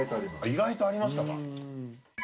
意外とありましたか。